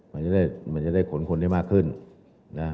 มันจะได้มันจะได้ขนคนได้มากขึ้นนะ